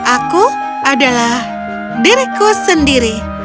aku adalah diriku sendiri